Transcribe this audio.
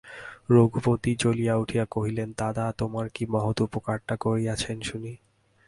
রঘুপতি জ্বলিয়া উঠিয়া কহিলেন, দাদা তোমার কী মহৎ উপকারটা করিয়াছেন শুনি।